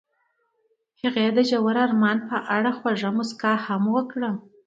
هغې د ژور آرمان په اړه خوږه موسکا هم وکړه.